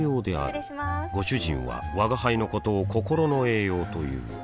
失礼しまーすご主人は吾輩のことを心の栄養という